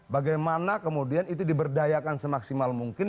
bagaimana kemudian itu diberdayakan semaksimal mungkin